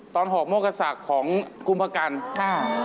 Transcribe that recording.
ตอนหอกโมกษักของคุมภกัณฑ์